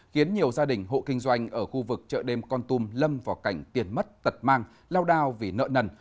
khiến nhiều gia đình hộ kinh doanh ở khu vực chợ đêm con tum lâm vào cảnh tiền mất tật mang lao đao vì nợ nần